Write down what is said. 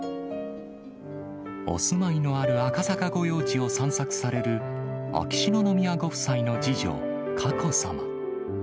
お住まいのある赤坂御用地を散策される、秋篠宮ご夫妻の次女、佳子さま。